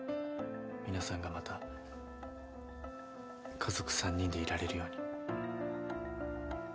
皆さんがまた家族３人でいられるように。